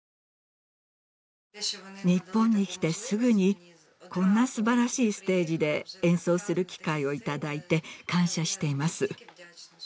日本に来てすぐにこんなすばらしいステージで演奏する機会を頂いて感謝しています。